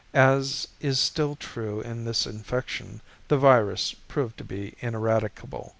As is still true in this infection, the virus proved to be ineradicable.